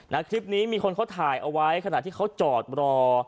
นะคลิปนี้มีคนเขาถ่ายเอาไว้ขณะที่เขาจอดรอ